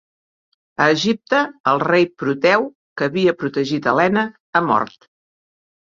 A Egipte, el rei Proteu, que havia protegit Helena, ha mort.